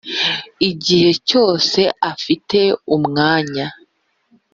igihe cyose afite umwanya.